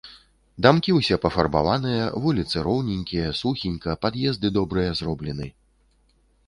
Дамкі ўсе пафарбаваныя, вуліцы роўненькія, сухенька, пад'езды добрыя зроблены.